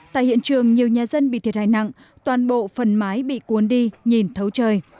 tại hiện trường nhiều nhà dân bị thiệt hại nặng toàn bộ phần mái bị cuốn đi nhìn thấu trời